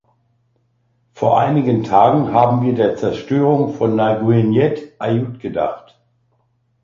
Vor einigen Tagen haben wir der Zerstörung von Nagyenyed Aiud gedacht.